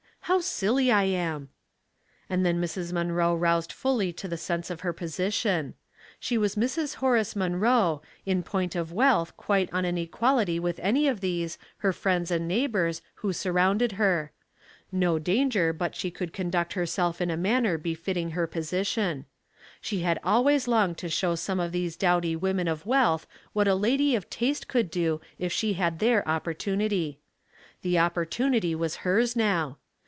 How silly I am," and then Mrs. Munroe aroused fully to the sense of her position. She was Mrs. Horace Munroe, in point of wealth quite on an equality with any of these, her friends and neighbors, who surrounded her. No danger but she could conduct herself in a manner befitting her position. She had always longed to show some of these dowdy women of wealth what a lady of taste could do if she had their op portunity. The opportunity was hers now.